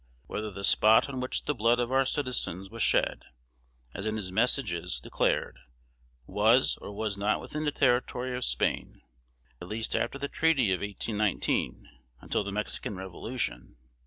Whether the spot on which the blood of our citizens was shed, as in his Messages declared, was or was not within the territory of Spain, at least after the treaty of 1819, until the Mexican revolution.